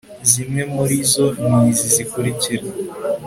zimwe muri zo ni izi zikurira